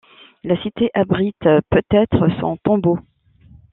La cité abrite peut-être son tombeau.